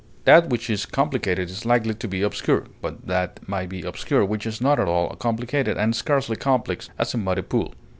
That which is complicated is likely to be obscure, but that may be obscure which is not at all complicated and scarcely complex, as a muddy pool.